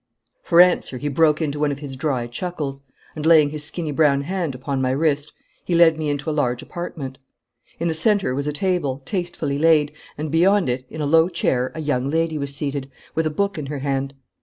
For answer he broke into one of his dry chuckles, and, laying his skinny brown hand upon my wrist, he led me into a large apartment. In the centre was a table, tastefully laid, and beyond it in a low chair a young lady was seated, with a book in her hand.